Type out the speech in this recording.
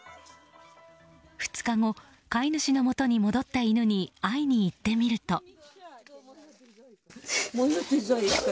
２日後、飼い主のもとに戻った犬に会いに行ってみると。